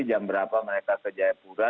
jam berapa mereka ke jayapura